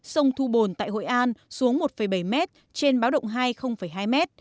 sông thu bồn tại hội an xuống một bảy m trên báo động hai hai m